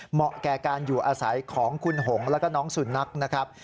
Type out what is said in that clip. เหมาะแก่การอยู่อาศัยของคุณหงแล้วก็น้องสุนัขนะครับ